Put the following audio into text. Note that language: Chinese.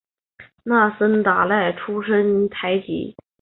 那森达赖出身台吉。